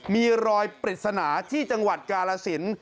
มีรอยปริศนาที่จังหวัดกาลสิน